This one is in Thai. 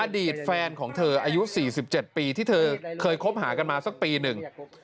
อดีตแฟนของเธออายุ๔๗ปีที่เธอเคยคบหากันมาสักปีหนึ่ง